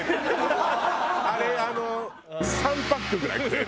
あれあの３パックぐらい食える。